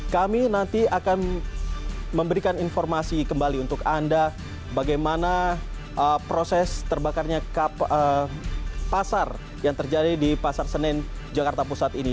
kami nanti akan memberikan informasi kembali untuk anda bagaimana proses terbakarnya pasar yang terjadi di pasar senen jakarta pusat ini